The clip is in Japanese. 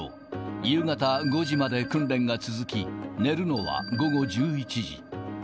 夕方５時まで訓練が続き、寝るのは午後１１時。